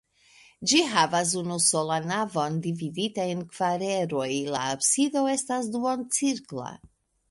Ĝi havas unusolan navon, dividita en kvar eroj; la absido estas duoncirkla.